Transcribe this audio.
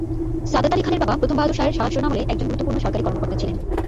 সাদাত আলি খানের বাবা প্রথম বাহাদুর শাহের শাসনামলে একজন গুরুত্বপূর্ণ সরকারি কর্মকর্তা ছিলেন।